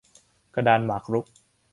กระดานหมากรุก